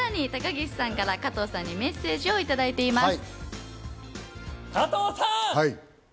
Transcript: さらに高岸さんから加藤さんにメッセージをいただいています。